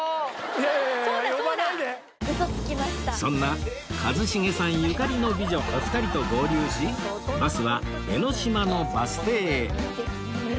そんな一茂さんゆかりの美女お二人と合流しバスは江ノ島のバス停へ